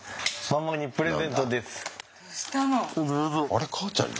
あれかあちゃんに？